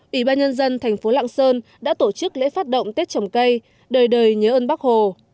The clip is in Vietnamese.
ủy ban nhân dân thành phố lạng sơn đã tổ chức lễ phát động tết trồng cây đời đời nhớ ơn bác hồ